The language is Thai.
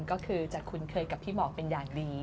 ก็คือจะคุ้นเคยกับพี่หมอเป็นอย่างดี